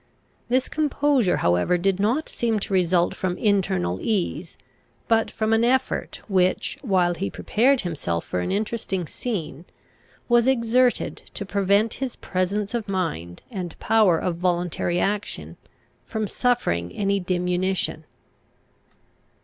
This composure however did not seem to result from internal ease, but from an effort which, while he prepared himself for an interesting scene, was exerted to prevent his presence of mind, and power of voluntary action, from suffering any diminution.